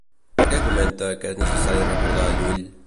Per què comenta que és necessari recordar a Llull?